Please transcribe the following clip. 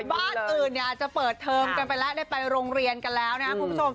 บ้านอื่นเนี่ยจะเปิดเทอมกันไปแล้วได้ไปโรงเรียนกันแล้วนะครับคุณผู้ชม